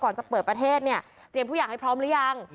จะเปิดประเทศเนี่ยเตรียมทุกอย่างให้พร้อมหรือยัง